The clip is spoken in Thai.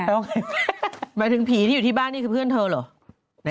หมายถึงผีที่อยู่ที่บ้านนี่คือเพื่อนเธอเหรอ